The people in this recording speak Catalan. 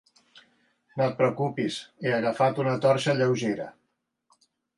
No et preocupis, he agafat una torxa lleugera.